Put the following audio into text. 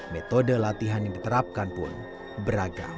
metode latihan yang diterapkan pun beragam